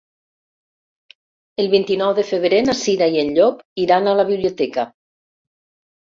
El vint-i-nou de febrer na Cira i en Llop iran a la biblioteca.